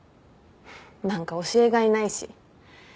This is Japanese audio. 何か教えがいないし。